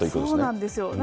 そうなんですよ。